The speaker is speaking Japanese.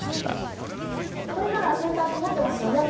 これならせんぱいももってますよね？